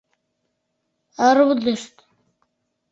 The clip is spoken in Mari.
Рудышт.